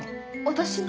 私も？